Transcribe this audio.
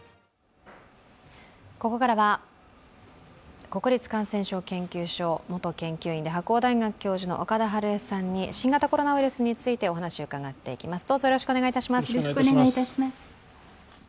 ここからは国立感染症研究所元研究員で白鴎大学教授の岡田晴恵さんに新型コロナウイルスについてお話を伺っていきます。